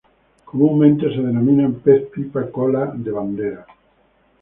Comúnmente se denominan pez pipa cola de bandera.